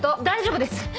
大丈夫です！